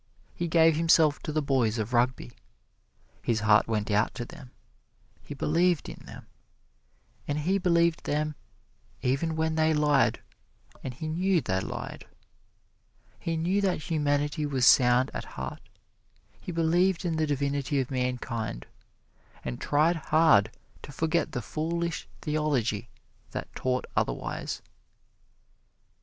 He gave himself to the boys of Rugby. His heart went out to them, he believed in them and he believed them even when they lied, and he knew they lied. He knew that humanity was sound at heart; he believed in the divinity of mankind, and tried hard to forget the foolish theology that taught otherwise.